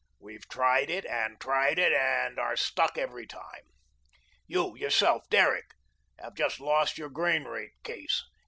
We've tried it and tried it, and we are stuck every time. You, yourself, Derrick, have just lost your grain rate case.